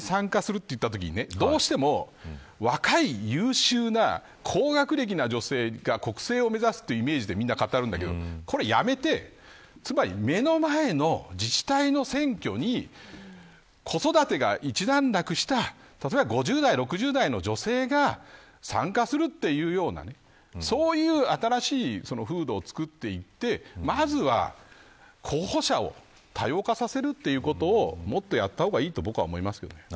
もう一つは、やっぱり女性が政治に参加するといったときにどうしても、若い優秀な高学歴な女性が国政を目指すというイメージで語るんですがこれをやめて目の前の自治体の選挙に子育てが一段落した５０代、６０代の女性が参加するというような新しいフードをつくっていってまずは候補者を多様化させるということをもっとやったほうがいいと思います。